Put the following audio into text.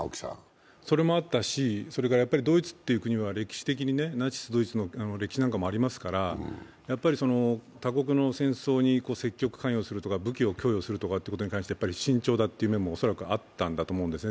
それもあったし、それからドイツという国は歴史的にナチス・ドイツの歴史なんかもありますから、他国の戦争に積極関与するとか武器を供与するとかということに関して慎重だという面も恐らくあったと思うんですよね。